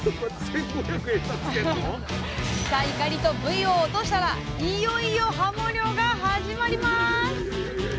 さあイカリとブイを落としたらいよいよはも漁が始まります！